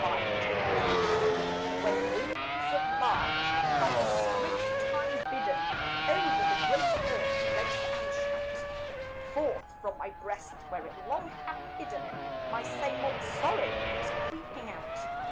GO BACK When winds of March by the springtime bidden Over the great earth race and shout, Forth from my breast where it long hath hidden My same old sorrow comes creeping out.